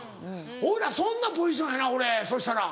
そんなポジションやな俺そしたら。